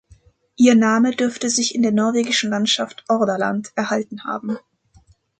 Ihr Name dürfte sich in der norwegischen Landschaft Hordaland erhalten haben.